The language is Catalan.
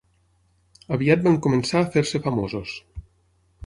Aviat van començar a fer-se famosos.